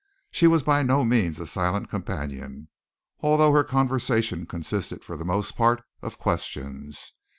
She was by no means a silent companion, although her conversation consisted for the most part of questions.